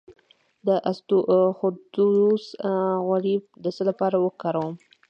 د اسطوخودوس غوړي د څه لپاره وکاروم؟